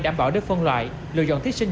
đảm bảo được phân loại lựa dọn thí sinh